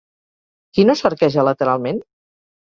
Qui no s'arqueja lateralment?